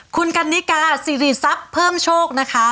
คุณกันนิกาสิริทรัพย์เพิ่มโชคนะคะ